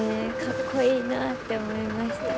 かっこいいなって思いました。